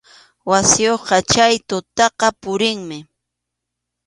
Wasiyuqqa chay tutaqa purinmi.